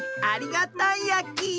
ありがたいやき！